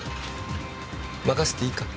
任せていいか？